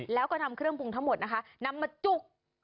แล้วก็นำเครื่องปรุงทั้งหมดนะคะนำมาจุก